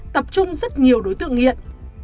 tập trung rất nhiều đối tượng nghiện